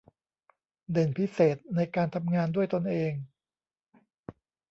เด่นพิเศษในการทำงานด้วยตนเอง